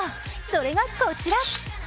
それがこちら。